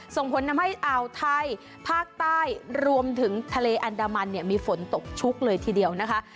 ส่งผลทำให้อ่าวไทยภาคใต้รวมถึงทะเลอันดามันเนี่ยมีฝนตกชุกเลยทีเดียวนะคะ